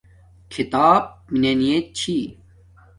کھییتاپ مننییت چھی